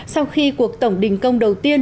sau khi cuộc tổng đình công đầu tiên